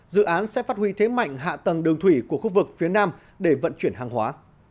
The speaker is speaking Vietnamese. dự án sẽ phát huy thế mạnh hạ tầng đường thủy của khu vực phía nam để vận chuyển hàng hóa